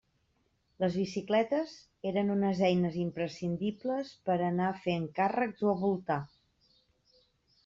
Les bicicletes eren unes eines imprescindibles per a anar a fer encàrrecs o a voltar.